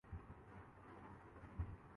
میری خواہش ہے کہ ہماری فوج اور عدلیہ مضبوط ہوں۔